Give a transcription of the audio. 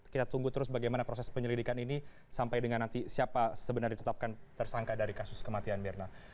kita tunggu terus bagaimana proses penyelidikan ini sampai dengan nanti siapa sebenarnya ditetapkan tersangka dari kasus kematian mirna